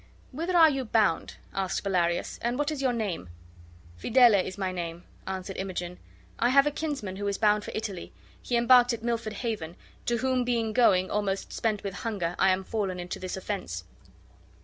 "Whither are you bound," asked Bellarius, "and what is your name?" "Fidele is my name," answered Imogen. "I have a kinsman who is bound for Italy; he embarked at Milford Haven, to whom being going, almost spent with hunger, I am fallen into this offense."